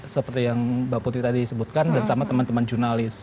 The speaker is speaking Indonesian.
seperti yang mbak putri tadi sebutkan dan sama teman teman jurnalis